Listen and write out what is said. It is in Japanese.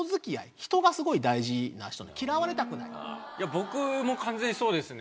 僕も完全にそうですね